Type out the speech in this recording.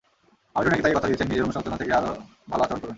আমিরও নাকি তাঁকে কথা দিয়েছেন, নিজের অনুশোচনা থেকেই আরও ভালো আচরণ করবেন।